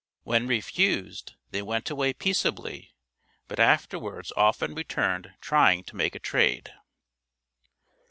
When refused they went away peaceably but afterwards often returned trying to make a trade.